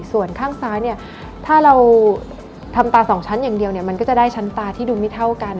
ส่วนข้างซ้ายเนี่ยถ้าเราทำตาสองชั้นอย่างเดียวเนี่ยมันก็จะได้ชั้นตาที่ดูไม่เท่ากัน